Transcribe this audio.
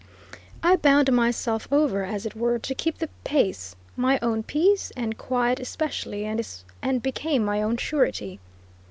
I bound myself over, as it were, to keep the pace my own peace and quiet especially and became my own surety.